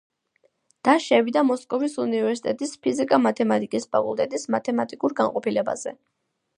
და შევიდა მოსკოვის უნივერსიტეტის ფიზიკა-მათემატიკის ფაკულტეტის მათემატიკურ განყოფილებაზე.